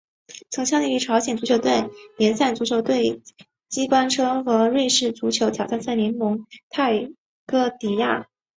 曾经效力朝鲜足球联赛足球队机关车和瑞士足球挑战联赛康戈迪亚。